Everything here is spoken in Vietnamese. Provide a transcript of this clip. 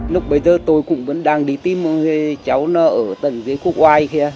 lúc bây giờ tôi cũng vẫn đang đi tìm cháu nó ở tầng dưới khu quay kia